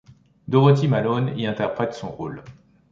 Dorothy Malone y interprète son rôle.